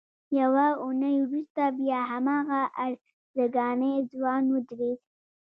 یوه اونۍ وروسته بیا هماغه ارزګانی ځوان ودرېد.